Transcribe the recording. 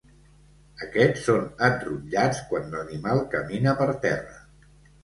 Aquests són enrotllats quan l'animal camina per terra.